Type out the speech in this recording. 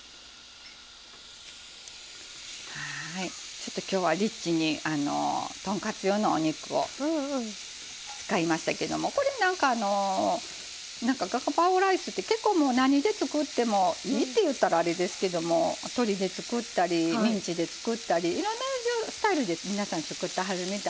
ちょっと今日はリッチに豚カツ用のお肉を使いましたけどもこれなんかガパオライスって結構何で作ってもいいって言ったらあれですけども鶏で作ったりミンチで作ったりいろんなスタイルで皆さん作ってはるみたいでね